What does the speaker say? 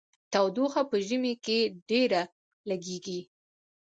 تودوخه په ژمي کې ډیره لګیږي.